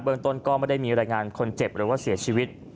เมืองต้นก็ไม่ได้มีรายงานคนเจ็บหรือว่าเสียชีวิต